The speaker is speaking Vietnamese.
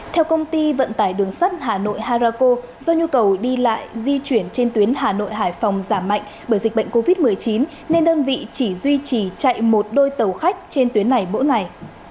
theo công ty vận tải đường sắt hà nội harako do nhu cầu đi lại di chuyển trên tuyến hà nội hải phòng giảm mạnh bởi dịch bệnh covid một mươi chín nên đơn vị chỉ duy trì chạy một đôi tàu khách trên tuyến này mỗi ngày